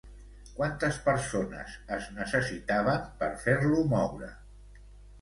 Quantes persones es necessitaven per fer-lo moure?